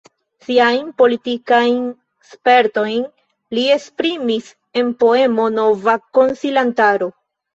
Siajn politikajn spertojn li esprimis en poemo Nova konsilantaro.